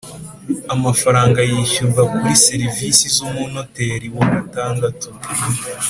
Amafaranga yishyurwa kuri sirivisi z umunoteri wa gatandatu